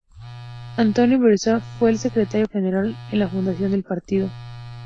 Anthony Vassallo fue el Secretario General en la fundación del partido.